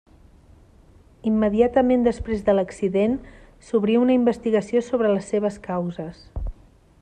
Immediatament després de l'accident s'obrí una investigació sobre les seves causes.